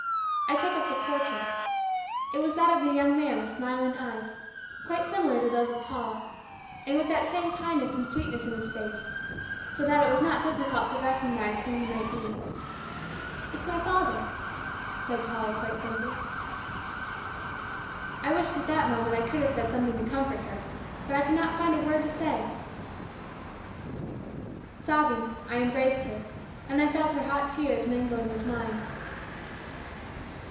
I took up the portrait. It was that of a young man with smiling eyes, quite similar to those of Paula, and with that same kindness and sweetness in his face, so that it was not difficult to recognize who he might be. "It's my father," said Paula quite simply. I wished at that moment I could have said something to comfort her but I could not find a word to say. Sobbing, I embraced her, and I felt her hot tears mingling with mine.